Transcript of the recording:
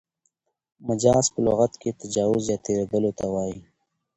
مجاز په لغت کښي تجاوز یا تېرېدلو ته وايي.